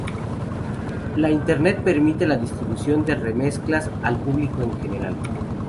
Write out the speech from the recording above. La internet permite la distribuciones de remezclas al público en general.